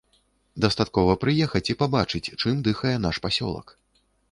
Дастаткова прыехаць і пабачыць, чым дыхае наш пасёлак.